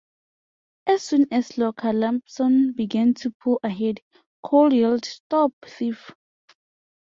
As soon as Locker-Lampson began to pull ahead, Cole yelled Stop thief!